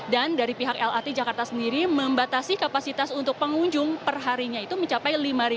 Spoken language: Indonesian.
dan dari pihak lrt jakarta sendiri membatasi kapasitas untuk pengunjung perharinya itu mencapai lima